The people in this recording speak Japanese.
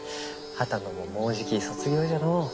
波多野ももうじき卒業じゃのう。